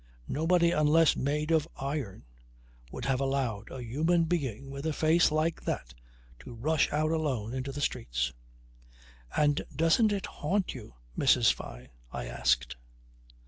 Nobody unless made of iron would have allowed a human being with a face like that to rush out alone into the streets. "And doesn't it haunt you, Mrs. Fyne?" I asked.